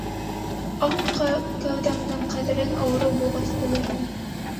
Аҡ кәүҙәңдең ҡәҙерен ауырыу булғас белерһең.